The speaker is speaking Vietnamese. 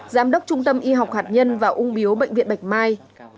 giám đốc trung tâm y học hạt nhân và ung biếu bệnh viện bạch mai